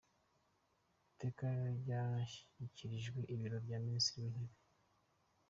iteka ryashyikirijwe Ibiro bya Minisitiri w’Intebe